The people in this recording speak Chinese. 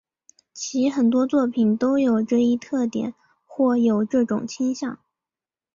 其很多作品都有这一特点或有这种倾向。